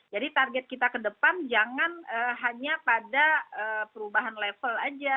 jadi target kita ke depan jangan hanya pada perubahan level aja